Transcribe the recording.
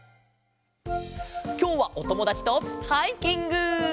きょうはおともだちとハイキング！